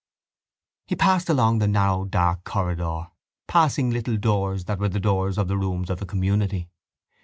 He passed along the narrow dark corridor, passing little doors that were the doors of the rooms of the community.